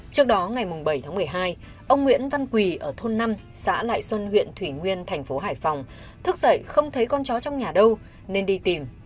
trước đó ngày bảy tháng một mươi hai ông nguyễn văn quỳ ở thôn năm xã lại xuân huyện thủy nguyên thành phố hải phòng thức dậy không thấy con chó trong nhà đâu nên đi tìm